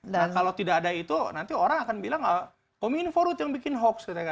nah kalau tidak ada itu nanti orang akan bilang kominfo ruth yang bikin hoax